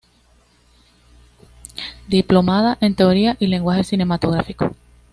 Diplomada en Teoría y Lenguaje Cinematográfico.